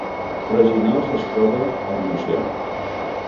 Freginals es troba al Montsià